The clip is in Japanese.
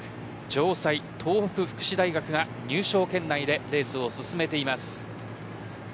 城西、東北福祉大学が入賞圏内でレースを進めています。